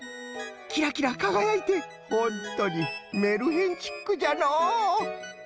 キラキラかがやいてホントにメルヘンチックじゃのう！